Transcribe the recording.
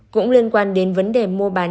cũng liên quan đến vấn đề mua bán